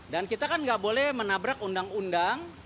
dan kita kan nggak boleh menabrak undang undang